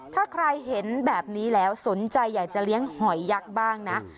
ถ้าใครเห็นแบบนี้แล้วสนใจอยากจะเลี้ยงหอยยักษ์บ้างนะ